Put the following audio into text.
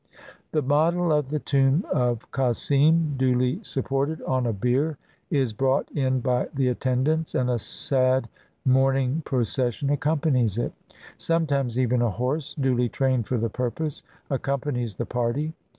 The model of the tomb of Cossim, duly supported on a bier, is brought in by the attendants, and a sad mourn ing procession accompanies it. Sometimes even a horse, duly trained for the purpose, accompanies the party.